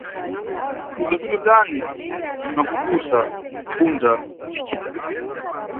Ni bzabwino tani na kupusa kupfunza ucicita!